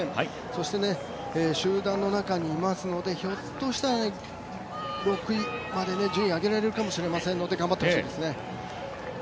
そして集団の中にいますのでひょっとしたら６位まで順位を上げられるかもしれませんので頑張ってほしいですね。